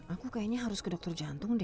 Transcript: aku kayaknya harus ke dokter jantung deh